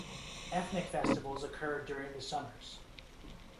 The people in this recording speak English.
Ethnic festivals occurred during the summers.